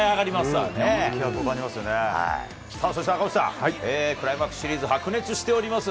さあ、そして赤星さん、クライマックスシリーズ白熱しております。